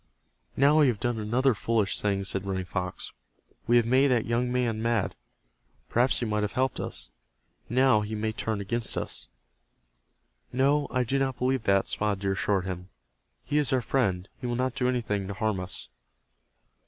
"Now we have done another foolish thing," said Running Fox. "We have made that young man mad. Perhaps he might have helped us. Now he may turn against us." "No, I do not believe that," Spotted Deer assured him. "He is our friend. He will not do anything to harm us."